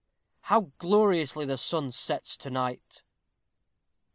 _ How gloriously the sun sets to night.